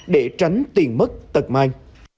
để tránh tiền mất tật mai